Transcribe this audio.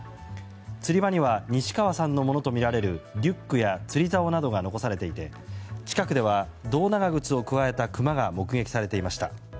釣り場には西川さんのものとみられるリュックや釣り竿などが残されていて近くでは胴長靴をくわえたクマが目撃されていました。